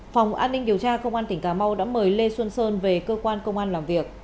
phòng an ninh điều tra công an tỉnh cà mau đã mời lê xuân sơn về cơ quan công an làm việc